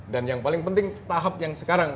dan yang paling penting tahap yang sekarang